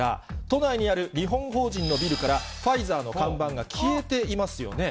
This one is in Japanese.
都内にある日本法人のビルから、ファイザーの看板が消えていますよね。